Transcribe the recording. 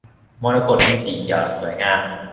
มรกต มีสีเขียว สวยงาม